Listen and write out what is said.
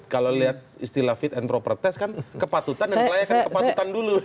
kalau lihat istilah fit and proper test kan kepatutan dan kelayakan kepatutan dulu